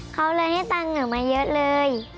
เขาเลยให้ตังค์หนูมาเยอะเลย